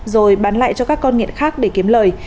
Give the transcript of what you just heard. rồi bán lại cho các con nghiện khác để kiếm lời